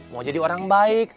mau jadi orang baik